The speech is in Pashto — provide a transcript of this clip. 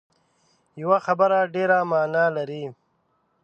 یوه خبره ډېره معنا لري